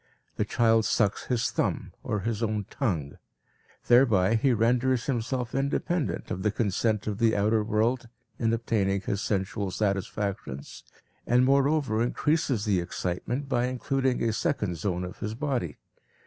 The child sucks his thumb or his own tongue. Thereby he renders himself independent of the consent of the outer world in obtaining his sensual satisfactions, and moreover increases the excitement by including a second zone of his body.